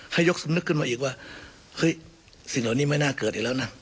ให้ยกสำนึกขึ้นมาอีกว่าเฮ้ยสิ่งเหล่านี้ไม่น่าเกิดอีกแล้วนะ